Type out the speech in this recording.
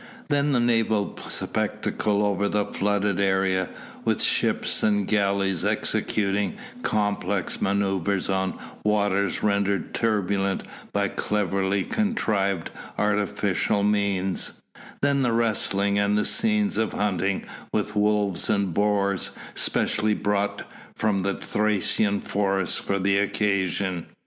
Then the naval spectacle over the flooded arena, with ships and galleys executing complex manœuvres on waters rendered turbulent by cleverly contrived artificial means; then the wrestling and scenes of hunting with wolves and boars specially brought from the Thracian forests for the occasion.